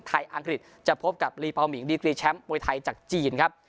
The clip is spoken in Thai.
อังกฤษจะพบกับลีพอมิงดีกรีแชมป์มวยไทยจากจีนครับ